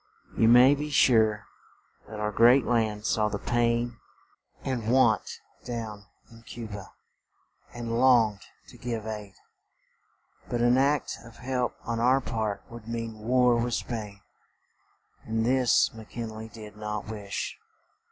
You may be sure that our great land saw the pain and want down in Cu ba, and longed to give aid; but an act of help on our part would mean war with Spain, and this Mc Kin ley did not wish.